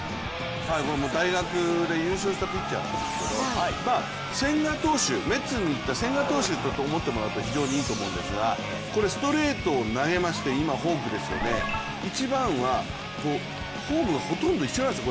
大学で優勝したピッチャーなんですけどメッツに行った千賀投手と思ってもらっていいと思うんですがこれストレート投げまして今フォークですよね、一番は、フォームがほとんど一緒なんですよ。